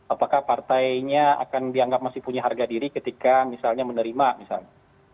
apakah partainya akan dianggap masih punya harga diri ketika misalnya menerima misalnya